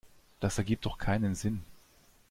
Das ergibt doch keinen Sinn.